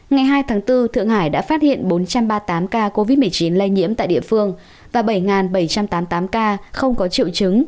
ngày hai tháng bốn thượng hải đã phát hiện bốn trăm ba mươi tám ca covid một mươi chín lây nhiễm tại địa phương và bảy bảy trăm tám mươi tám ca không có triệu chứng